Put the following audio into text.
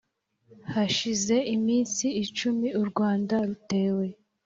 hashize iminsi icumi u rwanda rutewe,